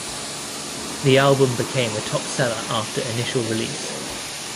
The album became the top seller after initial release.